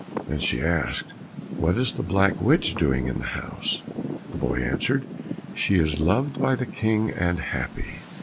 Then she asked, "What is the black witch doing in the house?" The boy answered, "She is loved by the King and happy."